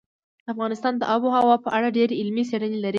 افغانستان د آب وهوا په اړه ډېرې علمي څېړنې لري.